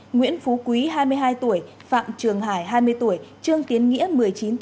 nguyễn phú quý hai mươi hai tuổi phạm trường hải hai mươi tuổi trương tiến nghĩa một mươi chín tuổi